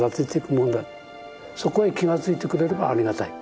そこへ気が付いてくれればありがたい。